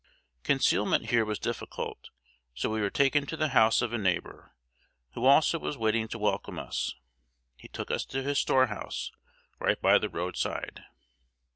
Concealment here was difficult; so we were taken to the house of a neighbor, who also was waiting to welcome us. He took us to his storehouse, right by the road side.